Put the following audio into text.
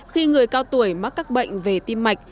khi người cao tuổi mắc các bệnh về tim mạch